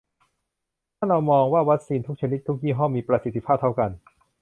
ถ้าเรามองว่าวัคซีนทุกชนิดทุกยี่ห้อมีประสิทธิภาพเท่ากัน